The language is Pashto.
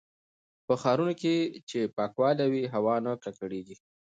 په ښارونو کې چې پاکوالی وي، هوا نه ککړېږي.